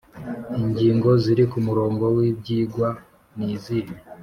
Ingingo ziri ku murongo w ibyigwa nizihe